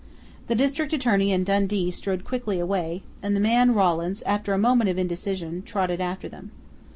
The district attorney and Dundee strode quickly away, and the man, Rawlins, after a moment of indecision, trotted after them.